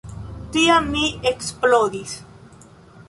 Tiam mi eksplodis.